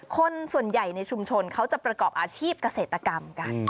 คนส่วนใหญ่ในชุมชนเขาจะประกอบอาชีพเกษตรกรรมกัน